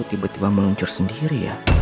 tiba tiba meluncur sendiri ya